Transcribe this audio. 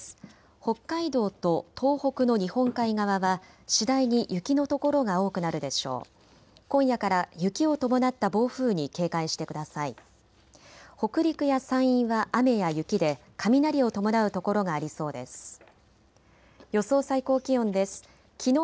北海道と東北の日本海側は次第に雪の所が多くなるでしょう。